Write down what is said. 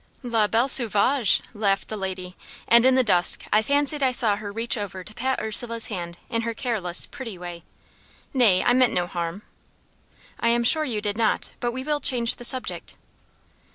"La belle sauvage!" laughed the lady; and, in the dusk, I fancied I saw her reach over to pat Ursula's hand in her careless, pretty way. "Nay, I meant no harm." "I am sure you did not; but we will change the subject."